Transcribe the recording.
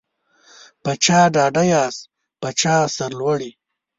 په چا ډاډه یاست په چا سرلوړي